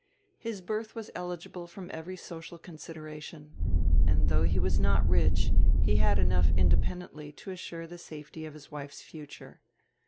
His birth was eligible from every social consideration; and, though he was not rich, he had enough independently to assure the safety of his wife's future.